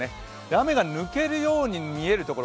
雨が抜けるように見えるところ